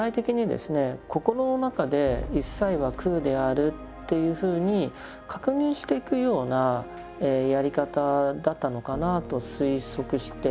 心の中で「いっさいは空である」というふうに確認していくようなやり方だったのかなと推測しています。